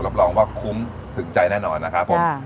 รับรองว่าคุ้มถึงใจแน่นอนนะครับผม